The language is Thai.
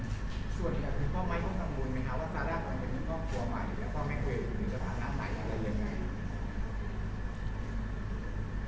เป็นครอบครัวใหม่แล้วก็แม่งเวทหรือจะผ่านหน้าไหนอะไรยังไง